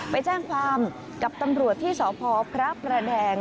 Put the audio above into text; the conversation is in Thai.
ไปแจ้งความกับตำรวจที่สพพระประแดง